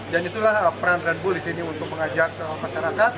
dan itulah peran red bull di sini untuk mengajak masyarakat